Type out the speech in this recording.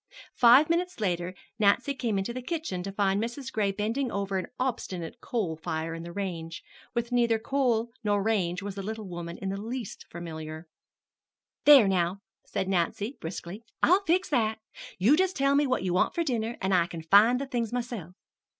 Five minutes later Nancy came into the kitchen to find Mrs. Gray bending over an obstinate coal fire in the range with neither coal nor range was the little woman in the least familiar. "There, now," said Nancy briskly, "I'll fix that. You just tell me what you want for dinner, and I can find the things myself."